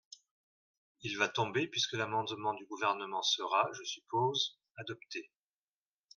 Il va tomber puisque l’amendement du Gouvernement sera, je suppose, adopté.